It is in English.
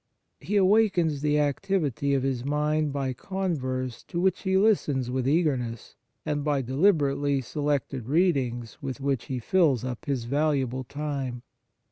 He awakens the activity of his mind by converse to which he listens with 141 On the Exercises of Piety eagerness, and by deliberately selected readings with which he fills up his valuable time.